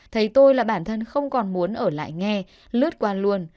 thấy tôi là bản thân không còn muốn ở lại nghe lướt qua luôn